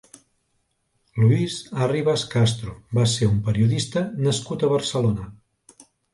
Luis Arribas Castro va ser un periodista nascut a Barcelona.